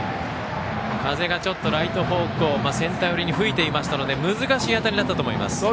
風がちょっとライト方向センター寄りに吹いていましたので難しい当たりだったと思います。